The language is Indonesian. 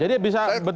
jadi bisa bentuk